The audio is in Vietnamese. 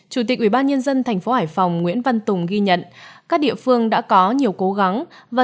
chủ tịch ubnd tp hải phòng nguyễn văn tùng ghi nhận các địa phương đã có nhiều cố gắng và